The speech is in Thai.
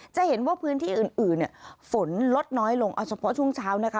จะเห็นว่าพื้นที่อื่นเนี่ยฝนลดน้อยลงเอาเฉพาะช่วงเช้านะคะ